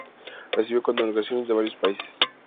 Recibió condecoraciones de varios países.